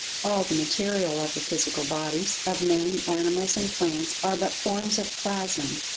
All the material of the physical bodies, of men, animals and plants, are but forms of Plasm.